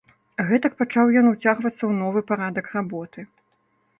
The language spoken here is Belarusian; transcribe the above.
Гэтак пачаў ён уцягвацца ў новы парадак работы.